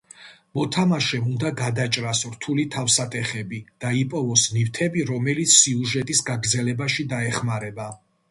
მოთამაშემ უნდა გადაჭრას რთული თავსატეხები და იპოვოს ნივთები, რომელიც სიუჟეტის გაგრძელებაში დაეხმარება.